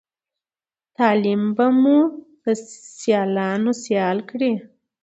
تعليم به مو د سیالانو سيال کړی